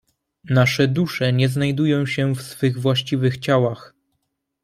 "Nasze dusze nie znajdują się w swych właściwych ciałach."